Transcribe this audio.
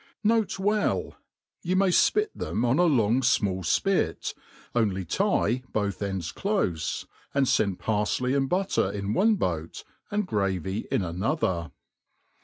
N. B. You may fpit them oji a lon^ fmall fpit, only tie both ends clofe ; and fend parfley and butter in one boat, and gravy in another.